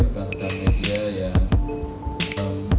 kami akan menjelaskan media yang